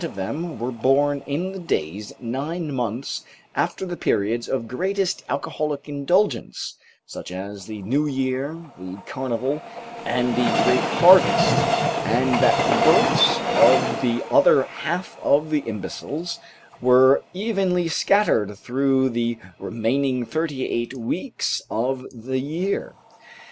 of them were born in the days nine months after the periods of greatest alcoholic indulgence, such as the New Year, the Carnival, and the grape harvest, and that the births of the other half of the imbeciles were evenly scattered through the remaining thirty eight weeks of the year.